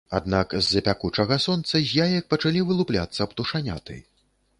Аднак з-за пякучага сонца з яек пачалі вылупляцца птушаняты.